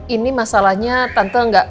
ini masalahnya tante gak